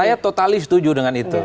saya totali setuju dengan itu